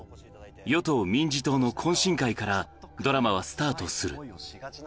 与党・民自党の懇親会から、ドラマはスタートする。